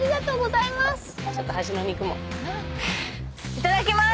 いただきます！